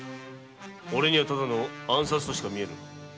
オレにはただの暗殺としか見えん。